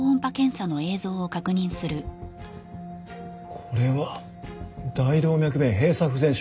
これは大動脈弁閉鎖不全症。